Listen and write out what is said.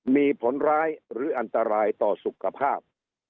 มีผลร้ายหรืออันตรายต่อสุขภาพ